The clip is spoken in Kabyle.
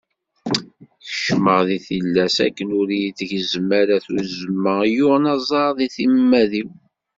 Keččmeɣ deg tillas akken ur iyi-tgezzem ara tuzzma i yuɣen aẓar deg timmad-iw.